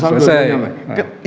asal dua duanya damai